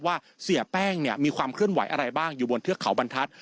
เสียแป้งเนี่ยมีความเคลื่อนไหวอะไรบ้างอยู่บนเทือกเขาบรรทัศน